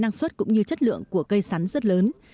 năng suất cũng như chất lượng của cây sắn rất lớn